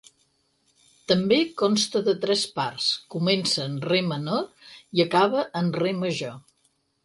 També consta de tres parts; comença en re menor i acaba en re major.